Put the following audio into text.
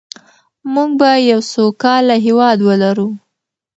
موږ به یو سوکاله هېواد ولرو.